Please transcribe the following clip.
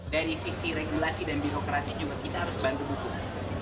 dari sisi regulasi dan birokrasi juga kita harus bantu dukung